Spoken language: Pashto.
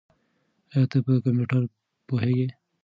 ایا ته په کمپیوټر پوهېږې؟